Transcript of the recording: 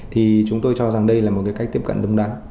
thì chúng tôi cho rằng đây là một cái cách tiếp cận đúng đắn